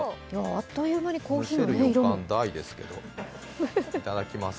あっという間にコーヒーの色に。